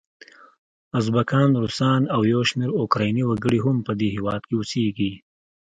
ازبکان، روسان او یو شمېر اوکرایني وګړي هم په دې هیواد کې اوسیږي.